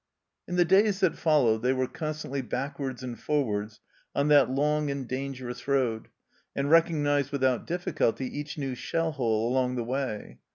In the days that followed they were constantly backwards and forwards on that long and dan gerous road, and recognized without difficulty each new shell hole along the way.